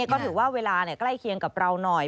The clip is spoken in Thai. ก็ถือว่าเวลาใกล้เคียงกับเราหน่อย